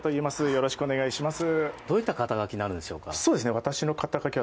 よろしくお願いします。